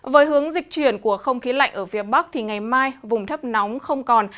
với hướng dịch chuyển của không khí lạnh ở phía bắc thì ngày mai vùng thấp nóng không còn